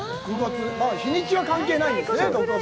日にちは関係ないんですね。